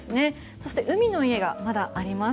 そして海の家がまだあります。